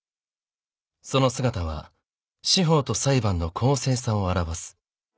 その姿は司法と裁判の公正さを表す］